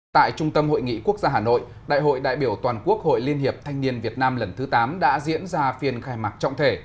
tại trung tâm hội nghị quốc gia hà nội đại hội đại biểu toàn quốc hội liên hiệp thanh niên việt nam lần thứ tám đã diễn ra phiên khai mạc trọng thể